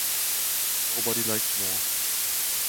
Nobody likes war.